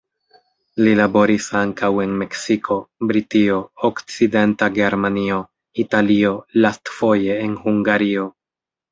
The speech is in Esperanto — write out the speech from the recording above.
Li laboris ankaŭ en Meksiko, Britio, Okcidenta Germanio, Italio, lastfoje en Hungario.